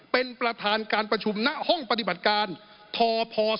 เป็นประธานการประชุมณห้องปฏิบัติการทพ